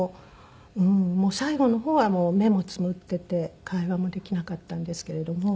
最後の方はもう目もつむってて会話もできなかったんですけれども。